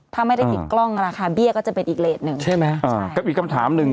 ถ้าไม่ได้ติดกล้องราคาเบี้ยก็จะเป็นอีกเลสหนึ่งใช่ไหมอ่ากับอีกคำถามหนึ่ง